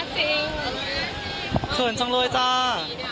เขื่อนชังเลยจ้า